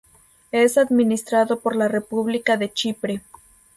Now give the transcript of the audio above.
Es administrado por la República de Chipre.